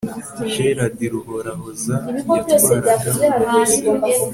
gerardi ruhorahoza yatwaraga ubugesera